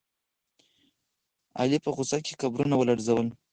علي په غوسه کې قبرونه ولړزول.